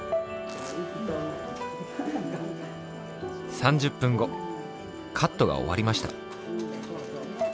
３０ぷんごカットがおわりました。